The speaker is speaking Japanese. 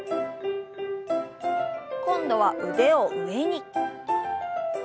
今度は腕を上に。